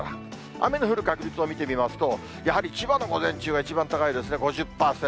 雨の降る確率を見てみますと、やはり千葉の午前中は一番高いですね、５０％。